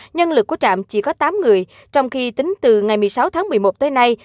nhân lực của trạm chỉ có tám người trong khi tính từ ngày một mươi sáu tháng một mươi một tới nay